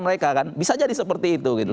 mereka kan bisa jadi seperti itu